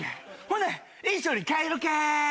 ほな一緒に帰ろか！